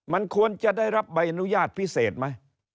มันควรจะได้รับใบอนุญาตพิเศษไหม